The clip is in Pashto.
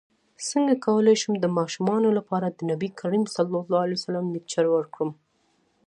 څنګه کولی شم د ماشومانو لپاره د نبي کریم ص لیکچر ورکړم